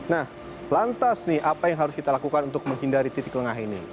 nah lantas nih apa yang harus kita lakukan untuk menghindari titik lengah ini